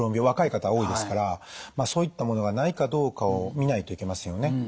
若い方多いですからそういったものがないかどうかを見ないといけませんよね。